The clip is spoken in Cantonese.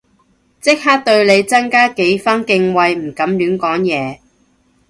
即刻對你增添幾分敬畏唔敢亂講嘢